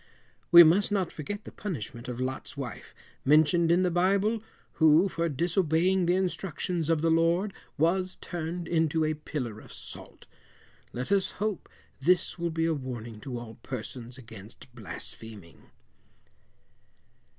We must not forget the punishment of Lot's wife, mentioned in the bible, who, for disobeying the instructions of the Lord, was turned into a pillar of salt. Let us hope this will be a warning to all persons against blaspheming.